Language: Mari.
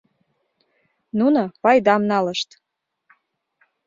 Нуно пайдам налышт.